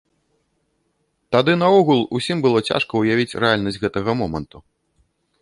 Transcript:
Тады наогул усім было цяжка ўявіць рэальнасць гэтага моманту.